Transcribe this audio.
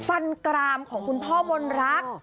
ฟันกรามของคุณพ่อมนรัก